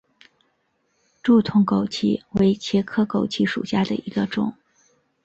柱筒枸杞为茄科枸杞属下的一个种。